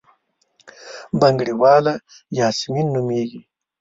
بنګړیواله یاسمین نومېږي.